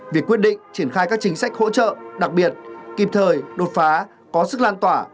việc quyết định triển khai các chính sách hỗ trợ đặc biệt kịp thời đột phá có sức lan tỏa